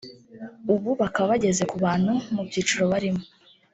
ubu bakaba bageze ku bantu mu byiciro barimo